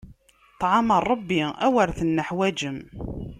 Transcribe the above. Ṭṭɛam n Ṛebbi, awer tenneḥwaǧem!